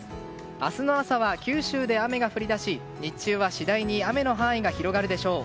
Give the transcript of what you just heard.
明日の朝は九州で雨が降り出し日中は次第に雨の範囲が広がるでしょう。